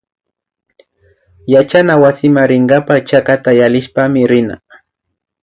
Yachana wasiman rinkapaka chakata yallishpami rina